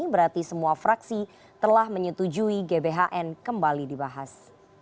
berarti semua fraksi telah menyetujui gbhn kembali dibahas